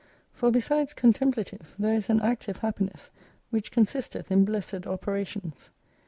For besides contemplative, there is an active happiness, which consisteth in blessed operations.